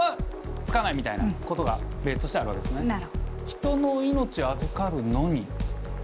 「人の命預かるのに」。